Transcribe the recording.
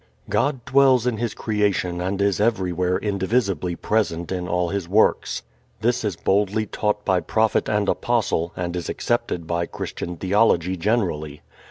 God dwells in His creation and is everywhere indivisibly present in all His works. This is boldly taught by prophet and apostle and is accepted by Christian theology generally.